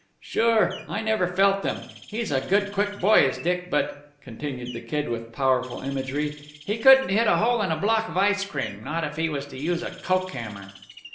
"Sure, I never felt them. He's a good, quick boy, is Dick, but," continued the Kid with powerful imagery "he couldn't hit a hole in a block of ice cream, not if he was to use a coke hammer."